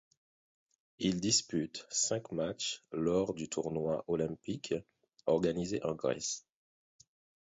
Il dispute cinq matchs lors du tournoi olympique organisé en Grèce.